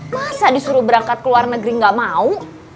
masa disuruh berangkat ke luar negeri gak mau